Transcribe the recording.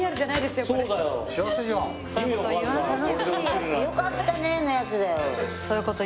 よかったねのやつだよ。